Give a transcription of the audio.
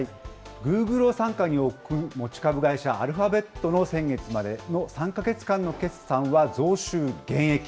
グーグルを傘下に置く持ち株会社アルファベットの先月までの３か月間の決算は増収減益。